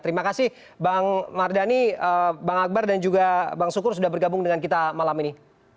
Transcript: terima kasih bang mardhani bang akbar dan juga bang sukur sudah bergabung dengan kita malam ini